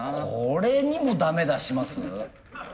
これにも駄目出しします？